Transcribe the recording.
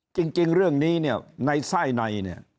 จริงเรื่องนี้ในไส้ใน